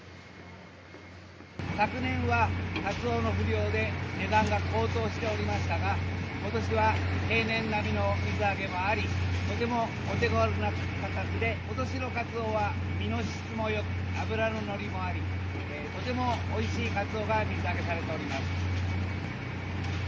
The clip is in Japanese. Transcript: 昨年はカツオの不漁で値段が高騰しておりましたが、ことしは平年並みの水揚げもあり、とてもお手ごろな価格で、ことしのカツオは、身の質もよく、脂の乗りもあり、とてもおいしいカツオが水揚げされております。